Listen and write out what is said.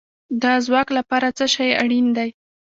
د ځواک لپاره څه شی اړین دی؟